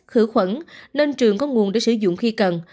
khử khuẩn nên trường có nguồn để sử dụng khi cần